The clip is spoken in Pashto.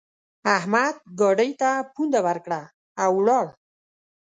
احمد ګاډي ته پونده ورکړه؛ او ولاړ.